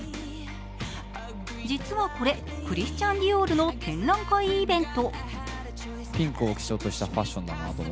実は、これ、クリスチャン・ディオールの展覧会イベント。